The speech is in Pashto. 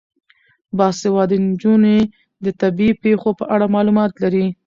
باسواده نجونې د طبیعي پیښو په اړه معلومات لري.